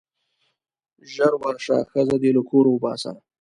ژر ورشه ښځه دې له کوره وباسه.